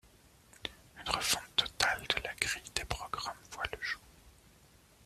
Une refonte totale de la grille des programmes voit le jour.